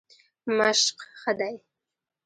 مشق ښه دی.